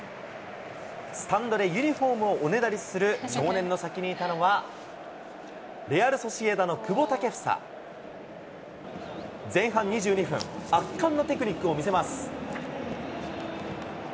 スタンドでユニホームをおねだりする少年の先にいたのは、レアル・ソシエダの久保建英。前半２２分、圧巻のテクニックを見せます。